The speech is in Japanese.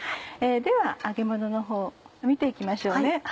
では揚げもののほう見て行きましょう。